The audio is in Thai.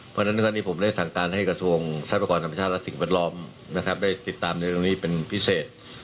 เพราะฉะนั้นวันนี้ผมได้สั่งการให้กระทรวงทรัพยากรธรรมชาติและสิ่งแวดล้อมนะครับได้ติดตามในตรงนี้เป็นพิเศษ